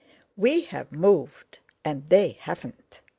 We've moved, and they haven't.